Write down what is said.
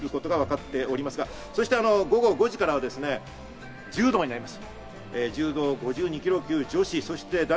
そして午後５時からは柔道になります。